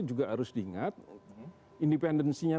juga harus diingat independensinya